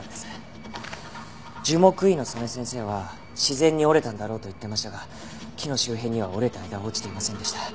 樹木医の曽根先生は自然に折れたんだろうと言ってましたが木の周辺には折れた枝は落ちていませんでした。